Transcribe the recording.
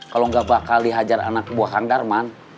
kalau nggak bakal dihajar anak buah kang darman